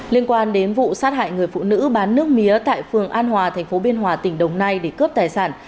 liên quan đến vụ sát hại người phụ nữ bán nước mía tại phường an hòa thành phố biên hòa tỉnh đồng nai để cướp tài sản